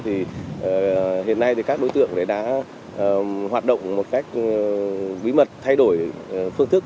hiện nay các đối tượng đã hoạt động một cách bí mật thay đổi phương thức